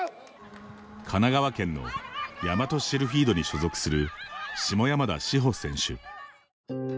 神奈川県の大和シルフィードに所属する下山田志帆選手。